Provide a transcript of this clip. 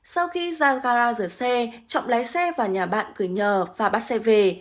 sau khi ra gara rửa xe trọng lái xe vào nhà bạn gửi nhờ và bắt xe về